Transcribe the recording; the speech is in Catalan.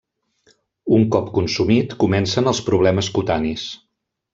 Un cop consumit comencen els problemes cutanis.